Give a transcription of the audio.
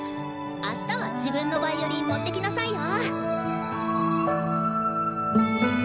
あしたは自分のヴァイオリン持ってきなさいよ。